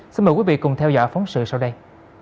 xin mời quý vị cùng theo dõi phóng sự sau đây